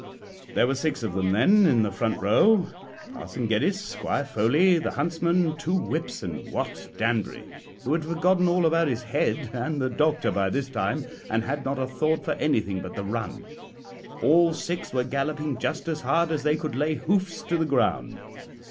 "There were six of them then in the front row Parson Geddes, Squire Foley, the huntsman, two whips, and Wat Danbury, who had forgotten all about his head and the doctor by this time, and had not a thought for anything but the run. All six were galloping just as hard as they could lay hoofs to the ground.